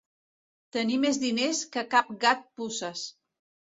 Tenir més diners que cap gat puces.